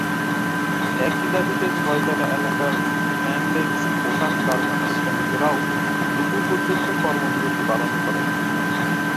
একই দাবিতে ছয়তলা এলাকার স্ক্যানডেক্স পোশাক কারখানার শ্রমিকেরাও দুপুর পর্যন্ত কর্মবিরতি পালন করেন।